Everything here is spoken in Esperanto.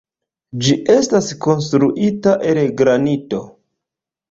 Ĝi estas konstruita el granito.